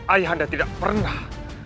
ayah anda tidak pernah